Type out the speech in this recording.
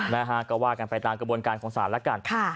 นะฮะก็ว่ากันไปตามกระบวนการของศาลแล้วกัน